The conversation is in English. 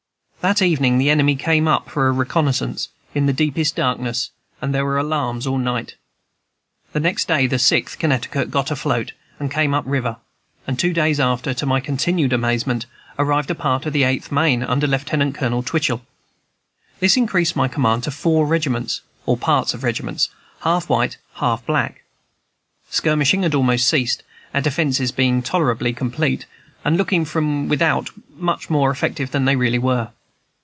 That evening the enemy came up for a reconnoissance, in the deepest darkness, and there were alarms all night. The next day the Sixth Connecticut got afloat, and came up the river; and two days after, to my continued amazement, arrived a part of the Eighth Maine, under Lieutenant Colonel Twichell. This increased my command to four regiments, or parts of regiments, half white and half black. Skirmishing had almost ceased, our defences being tolerably complete, and looking from without much more effective than they really were.